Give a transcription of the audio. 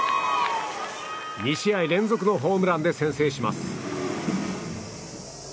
２試合連続のホームランで先制します。